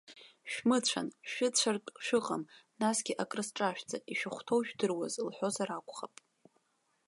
Шәмыцәан, шәыцәартә шәыҟам, насгьы акрысҿашәҵа, ишәыхәҭоу жәдыруаз, лҳәозар акәхап.